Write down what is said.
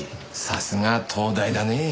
さすがは東大だねぇ。